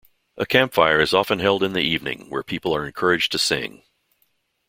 A campfire is often held in the evening where people are encouraged to sing.